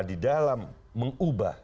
di dalam mengubah